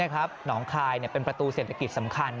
หนองคายเป็นประตูเศรษฐกิจสำคัญ